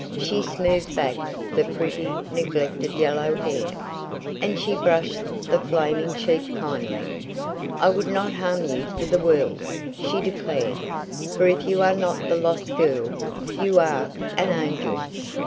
She smoothed back the pretty, neglected yellow hair, and she brushed the flaming cheek kindly. "I would not harm you for the world," she declared, "for if you are not the lost girl you are an angel!"